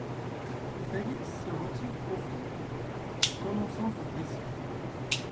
Félix se retire au fond ; commençant son récit.